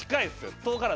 遠からず。